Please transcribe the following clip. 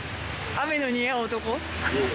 雨の似合う男